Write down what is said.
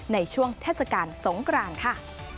ในช่วงเทศกาลสงกรานค่ะ